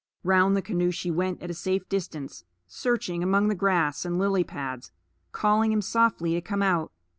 Round the canoe she went at a safe distance, searching among the grass and lily pads, calling him softly to come out.